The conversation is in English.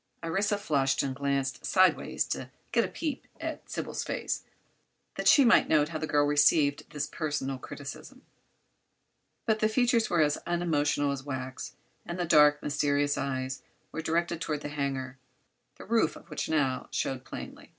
Orissa flushed and glanced sidewise to get a peep at Sybil's face, that she might note how the girl received this personal criticism. But the features were as unemotional as wax and the dark, mysterious eyes were directed toward the hangar, the roof of which now showed plainly.